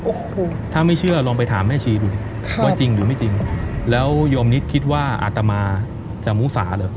โอ้โหถ้าไม่เชื่อลองไปถามแม่ชีดูสิว่าจริงหรือไม่จริงแล้วโยมนิดคิดว่าอาตมาจะมูสาเหรอ